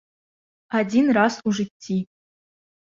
Адзін раз у жыцці.